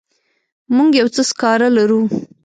موږ یو څه سکاره لرو.